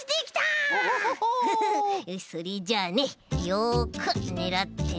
それじゃあねよくねらってね。